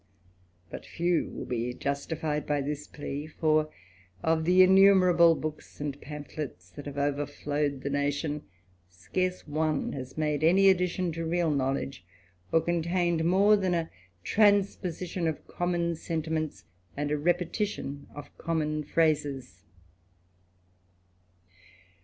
But few will be justified by this plea ; for of the innumer able books and pamphlets that have overflowed the natioD} scarce one has made any addition to real knowledge, or contained more than a transposition of common sentiments and a repetition of common phrases.